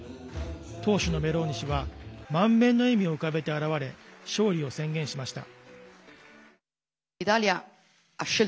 党首のメローニ氏は満面の笑みを浮かべて現れ勝利を宣言しました。